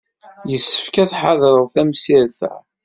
Yessefk ad ḥedṛeɣ tamsirt-a.